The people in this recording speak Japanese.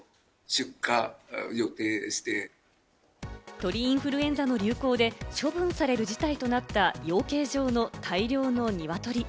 鳥インフルエンザの流行で処分される事態となった養鶏場の大量のニワトリ。